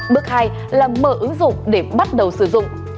bước hai là mở ứng dụng để bắt đầu sử dụng